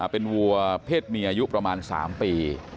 เป็นวัวเพศเมียอายุประมาณ๓ปี